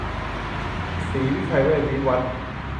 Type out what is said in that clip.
ศรีวิชัยเวชวิวัฒน์